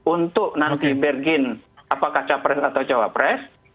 untuk nanti bergen apakah capres atau cawapres